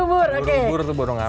ubur ubur tuh baru ngambil